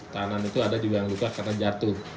kanan itu ada juga yang luka karena jatuh